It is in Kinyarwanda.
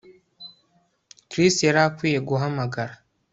Chris yari akwiye guhamagara